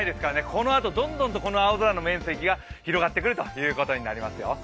このあとどんどんとこの青空の免責が広がってくるということになりますよ。